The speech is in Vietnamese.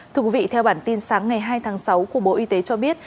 thưa quý vị theo bản tin sáng ngày hai tháng sáu của bộ y tế cho biết